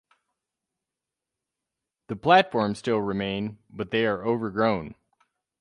The platforms still remain but they are overgrown.